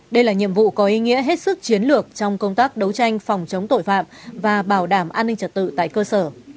đây là nhiệm vụ có ý nghĩa hết sức chiến lược trong công tác đấu tranh phòng chống tội phạm và bảo đảm an ninh trật tự tại cơ sở